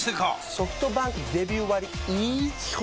ソフトバンクデビュー割イズ基本